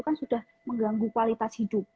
kan sudah mengganggu kualitas hidup